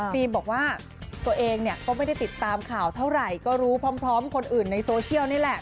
บอกว่าตัวเองเนี่ยก็ไม่ได้ติดตามข่าวเท่าไหร่ก็รู้พร้อมคนอื่นในโซเชียลนี่แหละ